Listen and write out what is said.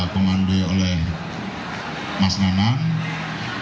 komandoi oleh mas nanang